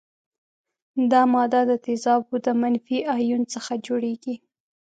دا ماده د تیزابو د منفي ایون څخه جوړیږي.